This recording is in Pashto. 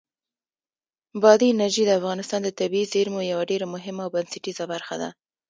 بادي انرژي د افغانستان د طبیعي زیرمو یوه ډېره مهمه او بنسټیزه برخه ده.